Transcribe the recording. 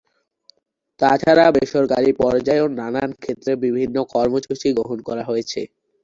তাছাড়া বেসরকারি পর্যায়েও নানান ক্ষেত্রে বিভিন্ন কর্মসূচি গ্রহণ করা হয়েছে।